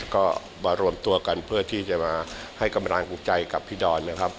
ก็มารวมตัวกันเพื่อที่จะมาให้กำลังใจกับพี่ดอนนะครับ